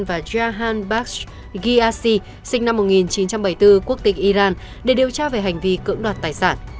và jahan bax giyashi sinh năm một nghìn chín trăm bảy mươi bốn quốc tịch iran để điều tra về hành vi cưỡng đoạt tài sản